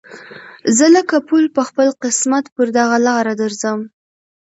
زه لکه پل په خپل قسمت پر دغه لاره درځم